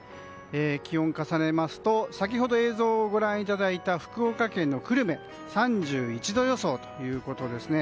気温を重ねますと先ほど映像をご覧いただいた福岡県久留米は３１度予想ということです。